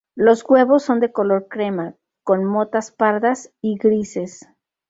Los huevos son de color crema, con motas pardas y grises.